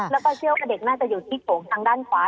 แล้วก็เชื่อว่าเด็กน่าจะอยู่ที่โถงทางด้านขวา